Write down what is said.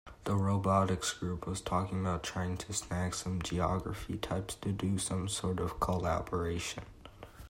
The robotics group was talking about trying to snag some geography types to do some sort of collaboration.